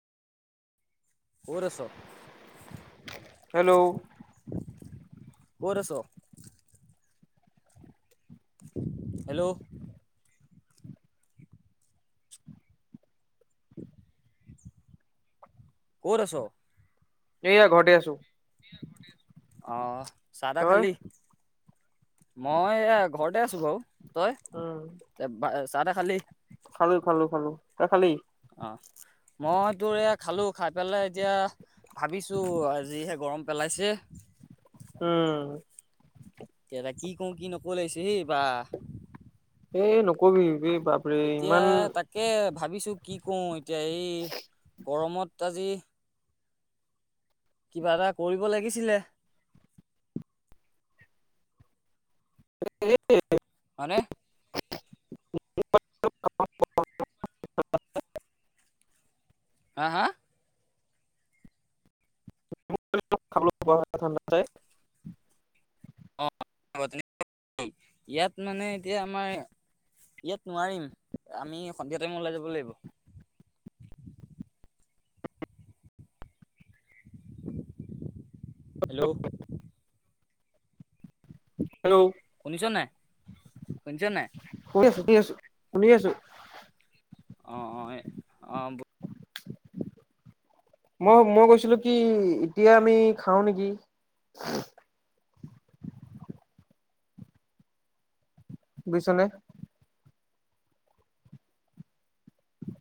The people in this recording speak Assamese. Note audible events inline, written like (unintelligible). ক'ত আছোঁ? হেল্ল'। ক'ত আছোঁ? হেল্ল'। ক'ত আছোঁ? এইয়া ঘৰতে আছোঁ। অ' চাহ তাহ তই খালি, মই এইয়া ঘৰতে আছোঁ বাৰু, তই উম চাহ তাহ খালী? খালোঁ খালোঁ খালোঁ, তই খালী? অ' মই তোৰ এই খালোঁ খাই পেলাই এতিয়া ভাবিছোঁ আহ জিহে গৰম পেলাইছে। উম। এটা কি কওঁ কি নকওঁ লাগিছে হেই বা। এই নকবি এই বা এতিয়া তাকে ভাবিছোঁ কি কৰোঁ। এতিয়া এই গৰমত আজি কিবা এটা কৰিব লাগিছিলে। কেলে হয়নে? হা হা? (unintelligible) (unintelligible) ইয়াত মানে এতিয়া আমাৰ ইয়াত নোৱাৰিম। আমি সন্ধিয়া টাইমত ওলাই যাব লাগিব। হেল্ল' হেল্ল' শুনিছোঁ নাই, শুনিছোঁ নাই? শুনি আছোঁ, শুনি আছোঁ, শুনি আছোঁ। অ' অ' এ অ' (inaudible) মই মই কৈছিলোঁ কি এতিয়া আমি খাওঁ নেকি? বুইছনে?